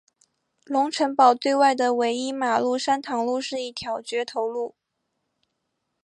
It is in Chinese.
龙成堡对外的唯一马路山塘路是一条掘头路。